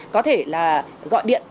có thể là gọi điện